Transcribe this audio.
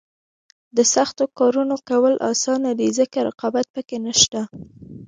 د سختو کارونو کول اسانه دي ځکه رقابت پکې نشته.